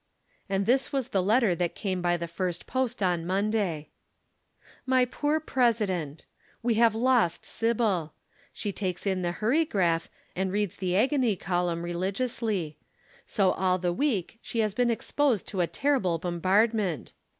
_" And this was the letter that came by the first post on Monday. "MY POOR PRESIDENT: "We have lost Sybil. She takes in the Hurrygraph and reads the agony column religiously. So all the week she has been exposed to a terrible bombardment.